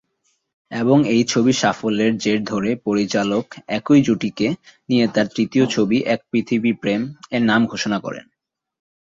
এবং এই ছবির সাফল্যের জের ধরে পরিচালক একই জুটিকে নিয়ে তার তৃতীয় ছবি এক পৃথিবী প্রেম এর নাম ঘোষণা করেন।